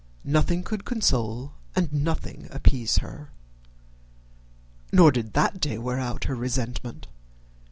Nothing could console and nothing appease her. Nor did that day wear out her resentment.